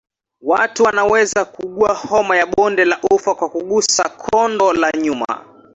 Watu wanaweza kuugua homa ya bonde la ufa kwa kugusa kondo la nyuma